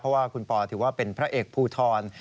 เพราะว่าคุณปอถือว่าเป็นพระเอกภูทร